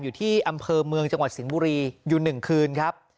อยู่ที่อำเภอเมืองจังหวัดสิงห์บุรีอยู่๑คืนครับ